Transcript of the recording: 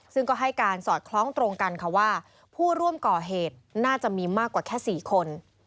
ซึ่งก็ให้การสอดคล้องตรงกันค่ะว่าผู้ร่วมก่อเหตุน่าจะมีมากกว่าแค่๔คน